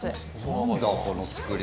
何だこの造り。